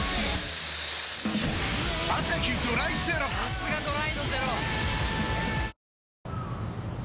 さすがドライのゼロ！